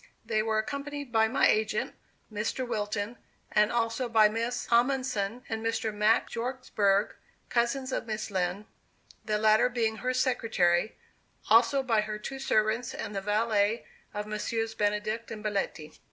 They were accompanied by my agent, Mr. Wilton, and also by Miss Ahmansen and Mr. Max Hjortzberg, cousins of Miss Lind, the latter being her Secretary; also by her two servants, and the valet of Messrs. Benedict and Belletti.